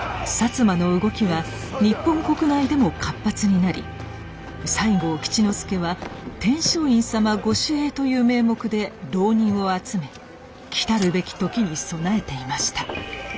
摩の動きは日本国内でも活発になり西郷吉之助は天璋院様御守衛という名目で浪人を集め来るべき時に備えていました。